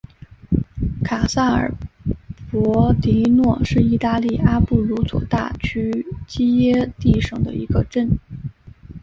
卡萨尔博迪诺是意大利阿布鲁佐大区基耶蒂省的一个镇。